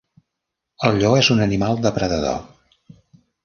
El lleó és un animal depredador.